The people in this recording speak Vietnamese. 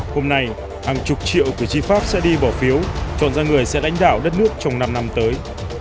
hôm nay hàng chục triệu cử tri pháp sẽ đi bỏ phiếu chọn ra người sẽ lãnh đạo đất nước trong năm năm tới